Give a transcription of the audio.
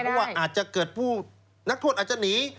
เพราะว่าอาจจะเกิดผู้นักโทษอาจจะหนี